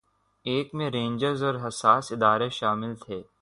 ایک میں رینجرز اور حساس ادارے شامل تھے